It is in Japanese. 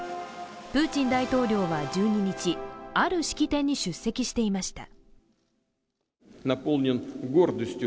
プーチン大統領は１２日ある式典に出席していました。